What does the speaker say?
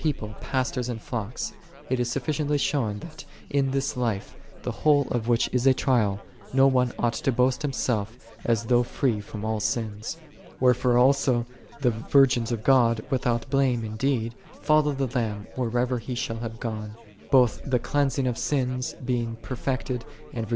people, pastors and flocks; it is sufficiently j shown that in this life, the whole of which is | a trial, no one ought to boast himself as 'though free from all sins.10 49. Wherefore also the virgins of God : without blame indeed, "follow the Lamb 'whithersoever He shall' have gone," both the | cleansing of sins being perfected, and vir